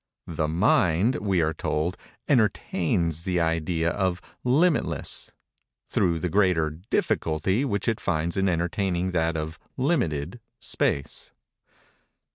"The mind," we are told, "entertains the idea of limitless, through the greater difficulty which it finds in entertaining that of limited, space."